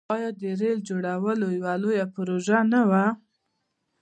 آیا د ریل جوړول یوه لویه پروژه نه وه؟